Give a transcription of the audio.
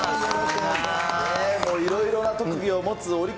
いろいろな特技を持つお利口